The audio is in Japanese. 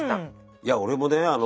いや俺もね